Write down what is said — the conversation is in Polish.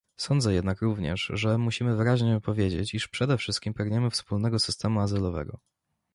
Sądzę jednak również, że musimy wyraźnie powiedzieć, iż przede wszystkim pragniemy wspólnego systemu azylowego